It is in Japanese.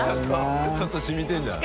ちょっと染みてるんじゃない？